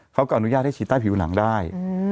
เขาก็อนุญาตให้ฉีดใต้ผิวหนังได้